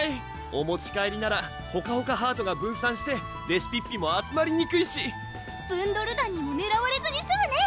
お持ち帰りならほかほかハートが分散してレシピッピも集まりにくいしブンドル団にもねらわれずにすむね